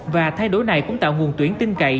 và thay đổi này cũng tạo nguồn tuyển tin cậy